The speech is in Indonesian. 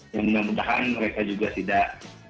ya mudah mudahan mereka juga tidak